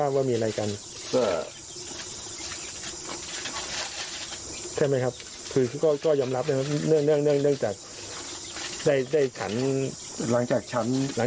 ใช่ไหมครับคือก็ยอมรับนะครับเนื่องจากได้ฉันหลังจากฉัน